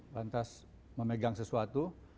lantas memegang sesuatu